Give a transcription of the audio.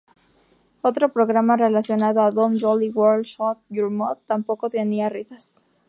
Otro programa relacionado a Dom Joly, World Shut Your Mouth, tampoco tenía risas.